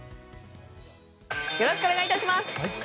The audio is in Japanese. よろしくお願いします。